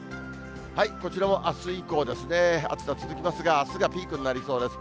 こちらもあす以降ですね、暑さ続きますが、あすがピークになりそうです。